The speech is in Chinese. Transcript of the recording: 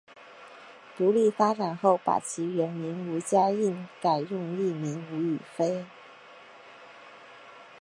独立发展后把其原名吴家颖改用艺名吴雨霏。